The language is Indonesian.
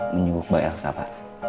menyuguh bagai alas sata